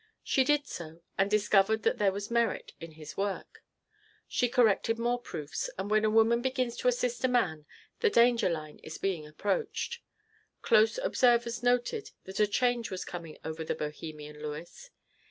She did so and discovered that there was merit in his work. She corrected more proofs, and when a woman begins to assist a man the danger line is being approached. Close observers noted that a change was coming over the bohemian Lewes.